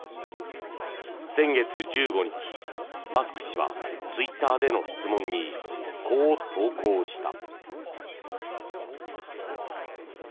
先月１５日、マスク氏はツイッターでの質問にこう投稿した。